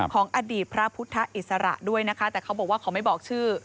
ของอดีตพระพุทธอิสระด้วยนะคะแต่เขาบอกว่าเขาไม่บอกชื่อ